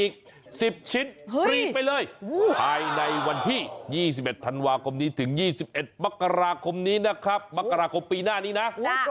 คุณเฮ้ยค่ะ๒๑ทั้งวันถึง๒๑มักราคมปีหน้า